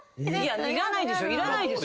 いらないです。